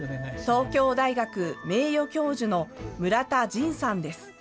東京大学名誉教授の邑田仁さんです。